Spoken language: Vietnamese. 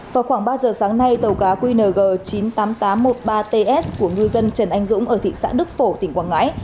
vào khoảng ba giờ sáng nay tàu cá qng chín mươi tám nghìn tám trăm một mươi ba ts của ngư dân trần anh dũng ở thị xã đức phổ tỉnh quảng ngãi